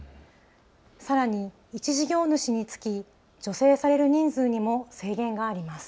さらに１事業主につき助成される人数にも制限があります。